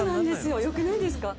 よくないですか？